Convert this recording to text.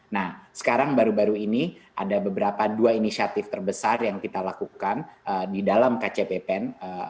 nah sekarang baru baru ini ada beberapa dua inisiatif terbesar yang kita lakukan di dalam kcppen